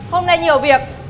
hôm nay nhiều việc